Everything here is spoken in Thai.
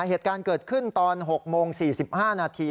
เหตุการณ์เกิดขึ้นตอน๖โมง๔๕นาที